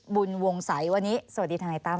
บุญวงสัยวันนี้สวัสดีทนายตาม